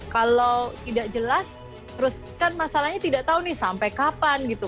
kalau tidak jelas terus kan masalahnya tidak tahu nih sampai kapan gitu